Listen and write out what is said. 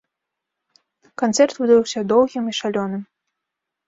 Канцэрт выдаўся доўгім і шалёным!